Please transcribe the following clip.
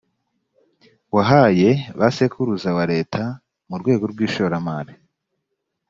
wahaye ba sekuruza wa leta mu rwego rw ishoramari